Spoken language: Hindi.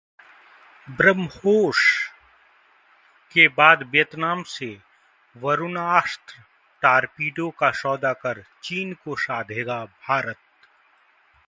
ब्रह्मोस के बाद वियतनाम से वरुणास्त्र टॉरपीडो का सौदा कर चीन को साधेगा भारत